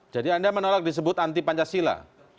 jadi anda menolak disebut anti pancasila